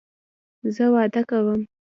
زه واده کوم